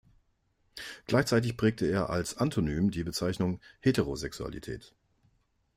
Gleichzeitig prägte er als Antonym die Bezeichnung „Heterosexualität“.